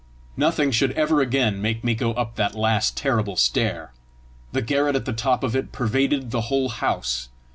Nothing should ever again make me go up that last terrible stair! The garret at the top of it pervaded the whole house!